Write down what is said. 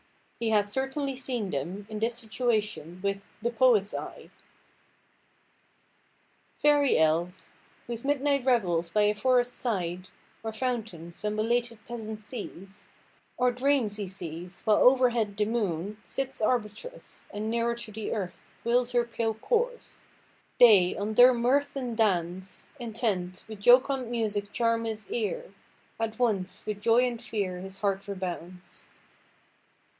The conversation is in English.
He had certainly seen them, in this situation, with "the poet's eye":— "... Fairie elves, Whose midnight revels, by a forest side Or fountain, some belated peasant sees, Or dreams he sees, while overhead the moon, Sits arbitress, and neerer to the earth Wheels her pale course, they, on thir mirth and dance Intent, with jocond music charm his ear; At once with joy and fear his heart rebounds."